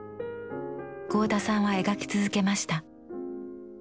合田さんは描き続けました。